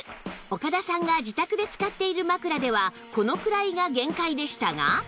岡田さんが自宅で使っている枕ではこのくらいが限界でしたが